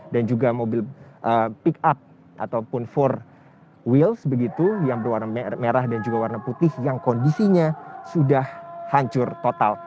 dan juga mobil pick up ataupun empat wheels begitu yang berwarna merah dan juga warna putih yang kondisinya sudah hancur total